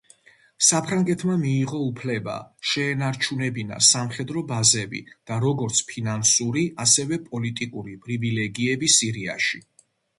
საფრანგეთმა მიიღო უფლება შეენარჩუნებინა სამხედრო ბაზები და როგორც ფინანსური, ასევე პოლიტიკური პრივილეგიები სირიაში.